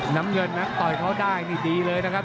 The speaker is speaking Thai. น้ำเงินนั้นต่อยเขาได้นี่ดีเลยนะครับ